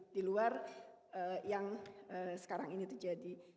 di luar yang sekarang ini terjadi